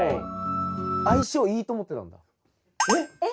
相性いいと思ってたんだ？